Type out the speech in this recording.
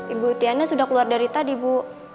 ibu tiana sudah keluar dari tadi bu